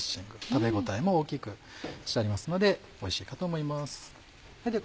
食べ応えも大きくしてありますのでおいしいかと思います。